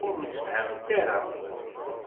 Ur msefhament ara.